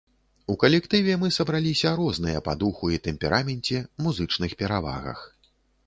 У калектыве мы сабраліся розныя па духу і тэмпераменце, музычных перавагах.